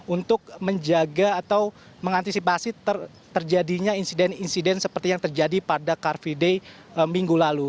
untuk menjaga atau mengantisipasi terjadinya insiden insiden seperti yang terjadi pada car free day minggu lalu